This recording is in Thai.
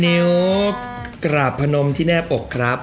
นิ้วกราบพนมที่แน่ปกครับ